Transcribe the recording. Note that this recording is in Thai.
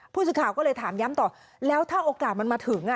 ผู้สื่อข่าวก็เลยถามย้ำต่อแล้วถ้าโอกาสมันมาถึง